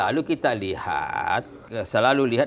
lalu kita lihat selalu lihat